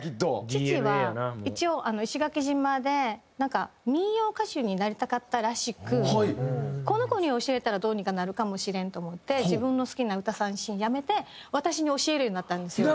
父は一応石垣島で民謡歌手になりたかったらしくこの子に教えたらどうにかなるかもしれんと思って自分の好きな歌三線やめて私に教えるようになったんですよ。